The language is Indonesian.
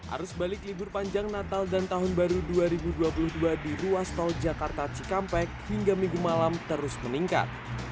arus balik libur panjang natal dan tahun baru dua ribu dua puluh dua di ruas tol jakarta cikampek hingga minggu malam terus meningkat